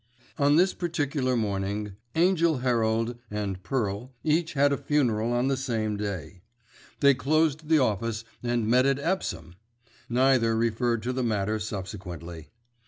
On this particular morning, Angell Herald each had a funeral on the same day. They closed the office and met at Epsom! Neither referred to the matter subsequently.